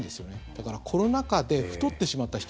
だからコロナ禍で太ってしまった人。